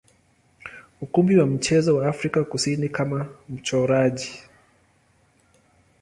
ukumbi wa michezo wa Afrika Kusini kama mchoraji.